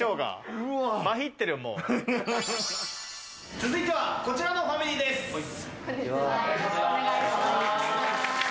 続いてはこちらのファミリーお願いします。